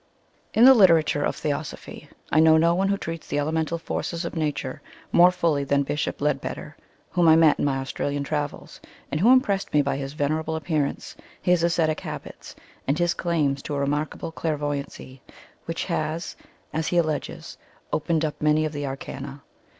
In the literature of Theosophy, I know no one who treats the elemental forces of nature more fully than Bishop Leadbeater, whom I met in my Australian travels, and who impressed me by his venerable appear ance, his ascetic habits, and his claims to a remarkable clairvoyancy which has, as he alleges, opened up many of the Arcana.